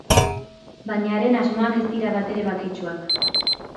Baina haren asmoak ez dira batere baketsuak.